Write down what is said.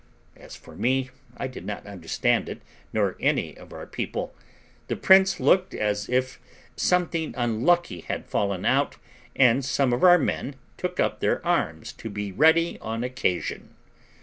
As for me, I did not understand it, nor any of our people; the prince looked as if something unlucky had fallen out, and some of our men took up their arms to be ready on occasion.